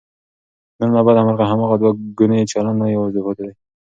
نن له بده مرغه، هماغه دوهګونی چلند نه یوازې پاتې دی